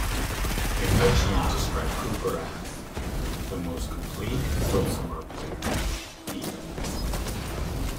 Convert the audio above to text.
McCutcheon described Cooper as "the most complete dulcimer player" he had met.